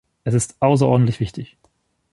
Es ist außerordentlich wichtig.